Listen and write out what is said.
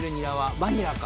「バニラ」か。